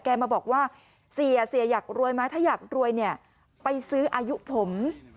มาบอกว่าเสียเสียอยากรวยไหมถ้าอยากรวยเนี่ยไปซื้ออายุผม